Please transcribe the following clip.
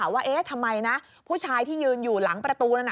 ว่าเอ๊ะทำไมนะผู้ชายที่ยืนอยู่หลังประตูนั้น